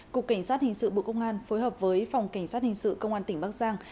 cục cảnh sát hình sự bộ công an phối hợp với phòng cảnh sát hình sự công an tỉnh bắc giang